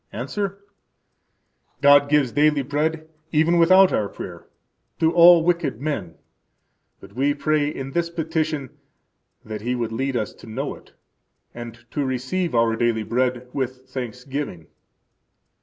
–Answer: God gives daily bread, even without our prayer, to all wicked men; but we pray in this petition that He would lead us to know it, and to receive our daily bread with thanksgiving.